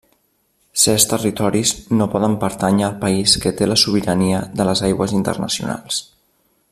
Certs territoris no poden pertànyer al país que té la sobirania de les aigües internacionals.